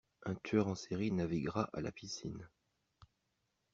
Un tueur en série naviguera à la piscine.